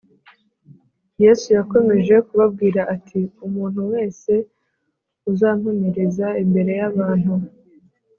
yesu yakomeje kubabwira ati, “umuntu wese uzampamiriza imbere y’abantu,